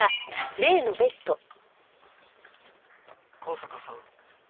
向坂さん